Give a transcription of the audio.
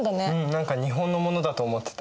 何か日本のものだと思ってた。